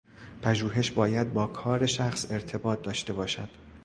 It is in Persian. پژوهش باید با کار شخص ارتباط داشته باشد.